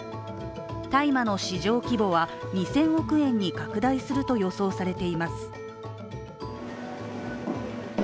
大麻の市場規模は２０００億円に拡大すると予想されています。